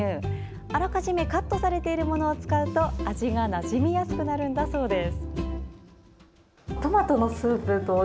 あらかじめカットされているものを使うと味がなじみやすくなるそうです。